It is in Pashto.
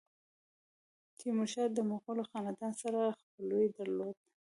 تیمورشاه د مغولو خاندان سره خپلوي درلوده.